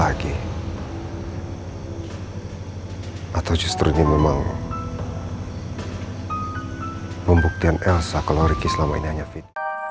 atau justru ini memang membuktian elsa kalau ricky selama ini hanya fit